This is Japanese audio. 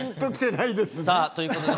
さぁということで。